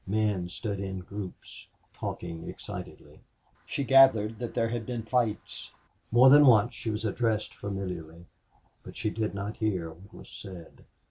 Men stood in groups, talking excitedly. She gathered that there had been fights. More than once she was addressed familiarly, but she did not hear what was said.